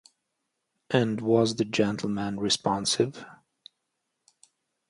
And was the gentleman responsive?